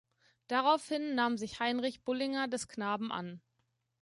Daraufhin nahm sich Heinrich Bullinger des Knaben an.